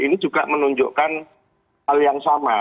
ini juga menunjukkan hal yang sama